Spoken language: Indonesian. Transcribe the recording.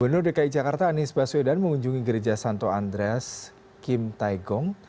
gubernur dki jakarta anies baswedan mengunjungi gereja santo andreas kim taegong